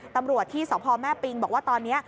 ตำรวจที่สพแม่ปิงบอกว่าตอนนี้